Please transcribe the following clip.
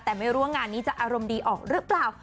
แต่ไม่รู้ว่างานนี้จะอารมณ์ดีออกหรือเปล่า